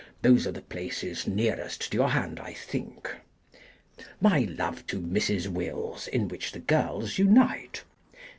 Those are the places nearest to your hand I think. My love to Mrs. Wills, in which the girls unite.